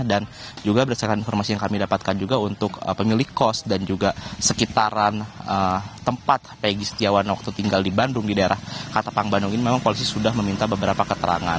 dan juga berdasarkan informasi yang kami dapatkan juga untuk pemilik kos dan juga sekitaran tempat pegi setiawan waktu tinggal di bandung di daerah katapang bandung ini memang polisi sudah meminta beberapa keterangan